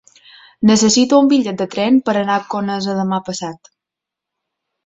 Necessito un bitllet de tren per anar a Conesa demà passat.